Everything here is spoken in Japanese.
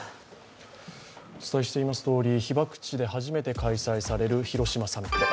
お伝えしていますとおり、被爆地で初めて開催される広島サミット。